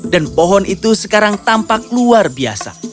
dan pohon itu sekarang tampak luar biasa